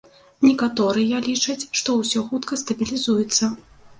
Некаторыя лічаць, што ўсё хутка стабілізуецца.